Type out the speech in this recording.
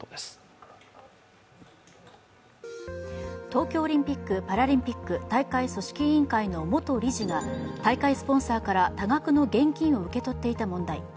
東京オリンピック・パラリンピック大会組織委員会の元理事が大会スポンサーから多額の現金を受け取っていた問題。